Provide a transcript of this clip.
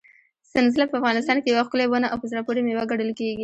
سنځله په افغانستان کې یوه ښکلې ونه او په زړه پورې مېوه ګڼل کېږي.